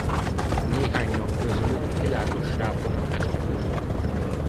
Néhánynak közülük világos sáv van a teste körül.